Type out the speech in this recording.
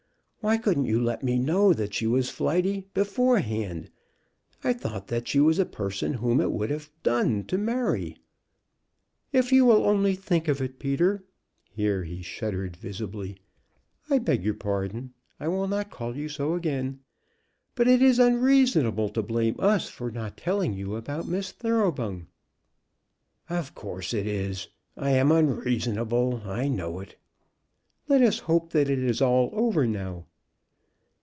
Why couldn't you let me know that she was flighty beforehand? I thought that she was a person whom it would have done to marry." "If you will only think of it, Peter " Here he shuddered visibly. "I beg your pardon, I will not call you so again. But it is unreasonable to blame us for not telling you about Miss Thoroughbung." "Of course it is. I am unreasonable, I know it." "Let us hope that it is all over now."